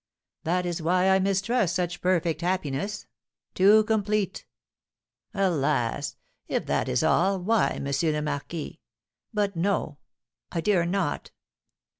"That is why I mistrust such perfect happiness, too complete." "Alas! If that is all, why, M. le Marquis But no, I dare not."